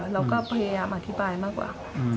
เราก็พยายามอธิบายมากกว่า